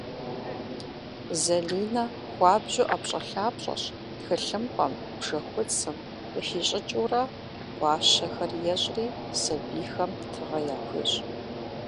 Зэлинэ хуабжьу ӏэпщӏэлъапщӏэщ - тхылъымпӏэм, бжьэхуцым къыхищӏыкӏыурэ гуащэхэр ещӏри сэбийхэм тыгъэ яхуещӏ.